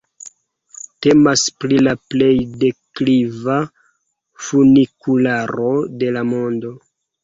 Temas pri la plej dekliva funikularo de la mondo.